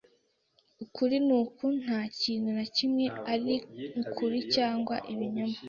Ukuri nuko ntakintu na kimwe ari ukuri cyangwa ibinyoma.